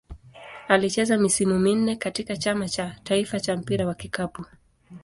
Alicheza misimu minne katika Chama cha taifa cha mpira wa kikapu.